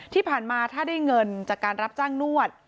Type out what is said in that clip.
ที่ผ่านมาถ้าได้เงินจากการรับจ้างนวด